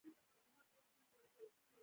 زه ستاسو څارنه کوم چې څوک مو ونه وژني